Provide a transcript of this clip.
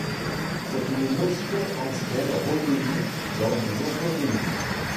C'est une notion ancienne reconnue dans de nombreux pays.